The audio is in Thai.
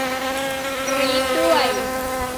กรี๊ดด้วย